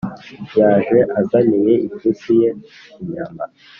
Yaje azaniye ipusi ye inyama